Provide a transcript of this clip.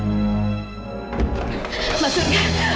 masih daftar denganinals yang pasti bisa diberikan